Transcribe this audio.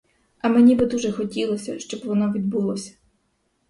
А мені би дуже хотілося, щоб воно відбулося.